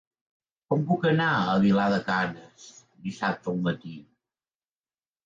Com puc anar a Vilar de Canes dissabte al matí?